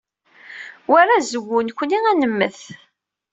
War azwu, nekkni ad nemmet.